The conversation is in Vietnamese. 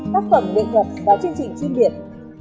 hai tác phẩm đề cập báo chương trình chuyên biệt